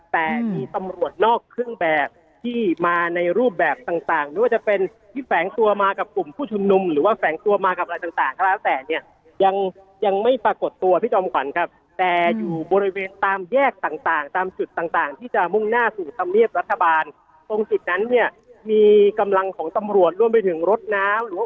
แต่มีตำรวจนอกเครื่องแบบที่มาในรูปแบบต่างไม่ว่าจะเป็นที่แฝงตัวมากับกลุ่มผู้ชุมนุมหรือว่าแฝงตัวมากับอะไรต่างก็แล้วแต่เนี่ยยังยังไม่ปรากฏตัวพี่จอมขวัญครับแต่อยู่บริเวณตามแยกต่างตามจุดต่างต่างที่จะมุ่งหน้าสู่ธรรมเนียบรัฐบาลตรงจุดนั้นเนี่ยมีกำลังของตำรวจรวมไปถึงรถน้ำหรือว่า